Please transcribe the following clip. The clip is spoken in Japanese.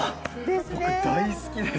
僕大好きです。